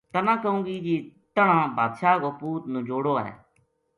تنا کہوں گی جی تہنا بادشاہ کو پوت نجوڑو ہے